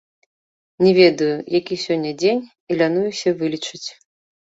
Не ведаю, які сёння дзень, і лянуюся вылічаць.